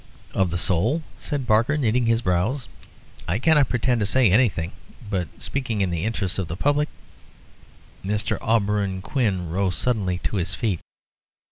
"Of the soul," said Barker, knitting his brows, "I cannot pretend to say anything, but speaking in the interests of the public " Mr. Auberon Quin rose suddenly to his feet.